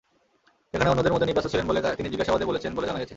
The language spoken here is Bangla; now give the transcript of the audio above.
সেখানে অন্যদের মধ্যে নিবরাসও ছিলেন বলে তিনি জিজ্ঞাসাবাদে বলেছেন বলে জানা গেছে।